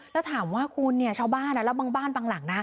แล้วถามว่าชาวบ้านและบ้านหลัง